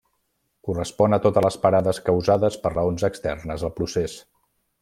Correspon a totes les parades causades per raons externes al procés.